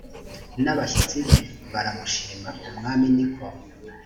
n abashyitsi be baramushima umwami ni ko